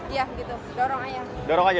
iya gitu dorong aja